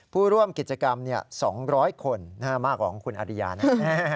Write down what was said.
ผู้ร่วมกิจกรรม๒๐๐คนมากกว่าของคุณอริยานะ